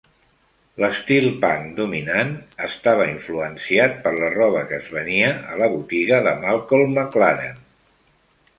L'estil punk dominant estava influenciat per la roba que es venia a la botiga de Malcolm McLaren.